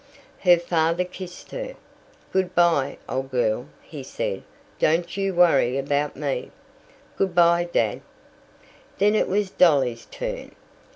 Her father kissed her. "Good bye, old girl," he said; "don't you worry about me. " "Good bye, Dad." Then it was Dolly's turn.